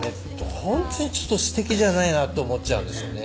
ホントにちょっとすてきじゃないなって思っちゃうんですよね。